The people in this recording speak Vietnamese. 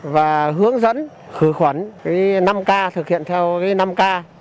và hướng dẫn khử khuẩn năm k thực hiện theo năm k